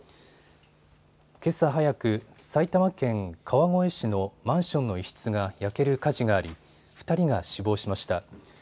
けさ早く、埼玉県川越市のマンションの一室が焼ける火事があり２人が死亡しました。